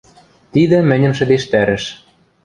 Тидӹ мӹньӹм шӹдештӓрӹш.